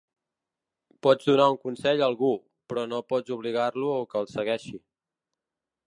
Pots donar un consell a algú, però no pots obligar-lo que el segueixi.